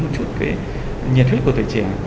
một chút cái nhiệt huyết của tuổi trẻ